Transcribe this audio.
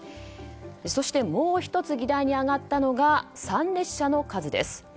そして、もう１つ議題に挙がったのが参列者の数です。